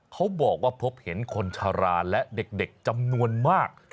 เขาบอกว่าพบเห็นคนชะลาและเด็กจำนวนมาก